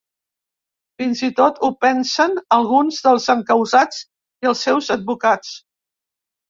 Fins i tot ho pensen alguns dels encausats i els seus advocats.